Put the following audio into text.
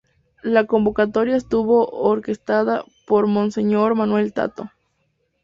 La convocatoria estuvo orquestada por monseñor Manuel Tato.